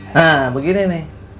hah begini nih